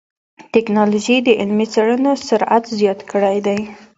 ټکنالوجي د علمي څېړنو سرعت زیات کړی دی.